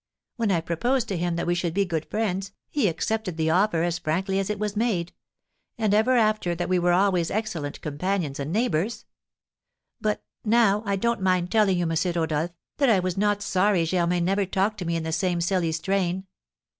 When I proposed to him that we should be good friends, he accepted the offer as frankly as it was made, and ever after that we were always excellent companions and neighbours; but now I don't mind telling you, M. Rodolph, that I was not sorry Germain never talked to me in the same silly strain."